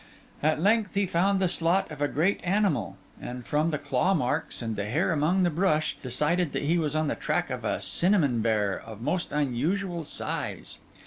At length he found the slot of a great animal, and from the claw marks and the hair among the brush, judged that he was on the track of a cinnamon bear of most unusual size.